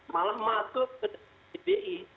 malah masuk ke cbi